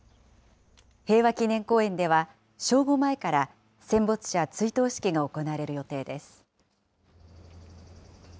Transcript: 平和祈念公園では、正午前から戦没者追悼式が行われる予定です。